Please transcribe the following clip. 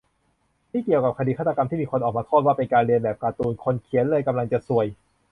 นี่เกี่ยวกับคดีฆาตกรรม ที่มีคนออกมาโทษว่า เป็นการเลียนแบบการ์ตูน คนเขียนเลยกำลังจะซวย